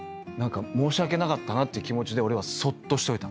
申し訳なかったなっていう気持ちで俺はそっとしておいたの。